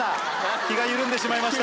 気が緩んでしまいました。